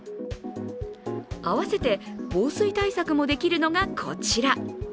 併せて防水対策もできるのがこちら。